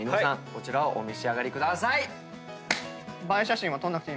こちらをお召し上がりください。